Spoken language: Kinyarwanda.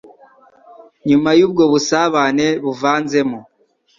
Nyuma y'ubwo busabane buvanzemo